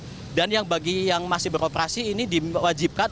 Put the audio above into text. sementara kalau yang masih beroperasi ini diwajibkan